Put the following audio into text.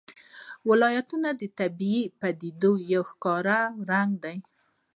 ولایتونه د طبیعي پدیدو یو ښکلی رنګ دی.